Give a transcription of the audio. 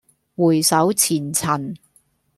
回首前塵